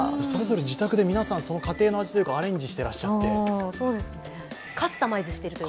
それぞれ自宅で皆さん、家庭の味というか、アレンジしていらっしゃって。